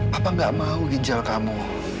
apa nggak mau ginjal kamu